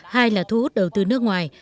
hai là thu hút đầu tư nước ngoài